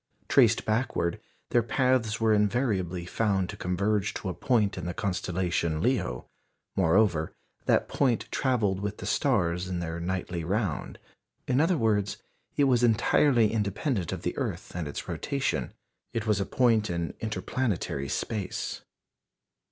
_ Traced backward, their paths were invariably found to converge to a point in the constellation Leo. Moreover, that point travelled with the stars in their nightly round. In other words, it was entirely independent of the earth and its rotation. It was a point in inter planetary space.